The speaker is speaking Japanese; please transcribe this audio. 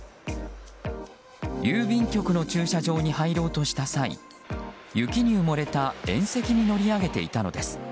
郵便局の駐車場に入ろうとした際雪に埋もれた縁石に乗り上げていたのです。